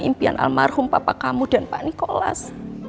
impian almarhum papa kamu dan pak nikolas